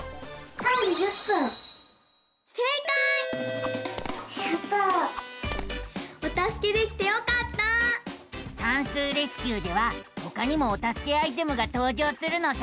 「さんすうレスキュー！」ではほかにもおたすけアイテムがとう場するのさ。